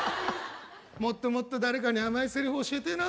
もっともっと誰かにあまいセリフ教えてえな。